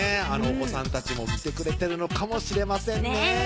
お子さんたちも見てくれてるのかもしれませんね